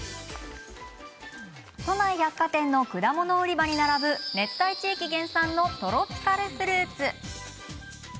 都内百貨店の果物売り場に並ぶ熱帯地域原産のトロピカルフルーツ。